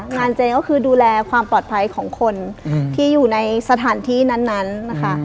งานเจก็คือดูแลความปลอดภัยของคนที่อยู่ในสถานที่นั้นนะคะ